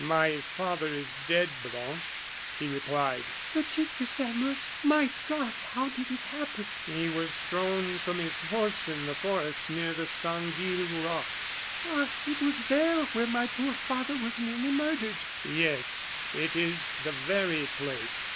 "My father is dead, Blanche," he replied. "The Duc de Sairmeuse! My God! how did it happen?" "He was thrown from his horse, in the forest, near the Sanguille rocks." "Ah! it was there where my poor father was nearly murdered." "Yes, it is the very place."